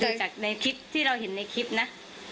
ดูจากที่เราเห็นในคลิปนะ